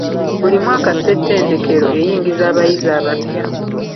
Buli mwaka Ssetendekero eyingiza abayizi abapya.